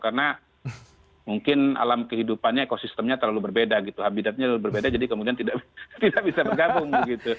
karena mungkin alam kehidupannya ekosistemnya terlalu berbeda gitu habitatnya terlalu berbeda jadi kemudian tidak bisa bergabung gitu